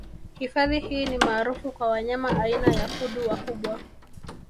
Hifadhi hii ni maarufu kwa wanyama aina ya kudu wakubwa